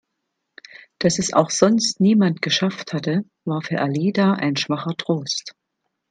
Dass es auch sonst niemand geschafft hatte, war für Alida ein schwacher Trost.